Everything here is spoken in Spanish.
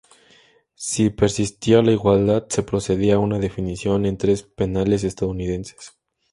Si persistía la igualdad, se procedía a una definición en tres penales estadounidenses.